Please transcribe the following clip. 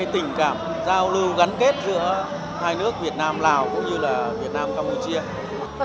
tình cảm giao lưu gắn kết giữa hai nước việt nam lào cũng như việt nam campuchia